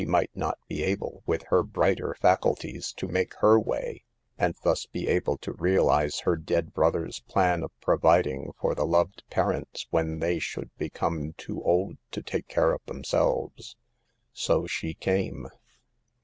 might not be able, with her brighter faculties, to make her way, and thus be able to realize her dead brother's plan of providing for the loved parents when they should become too old to take care of themselves. " So she came.